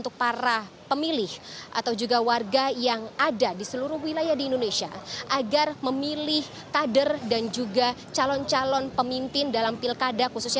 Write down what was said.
khususnya yang terdekat dengan korupsi dan korupsi